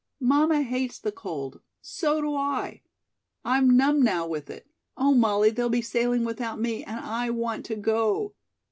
Mamma hates the cold. So do I. I'm numb now with it. Oh, Molly, they'll be sailing without me, and I want to go.